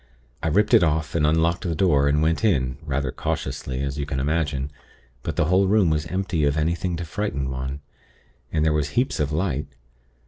I ripped it off, and unlocked the door, and went in, rather cautiously, as you can imagine; but the whole room was empty of anything to frighten one, and there was heaps of light.